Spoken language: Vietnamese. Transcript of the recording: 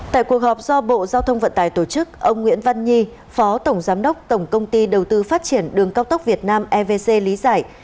tại cuộc họp do bộ giao thông vận tải tổ chức ông nguyễn văn nhi phó tổng giám đốc tổng công ty đầu tư phát triển đường cao tốc việt nam evc lý giải